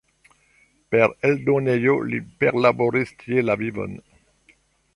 Per eldonejo li perlaboris tie la vivon.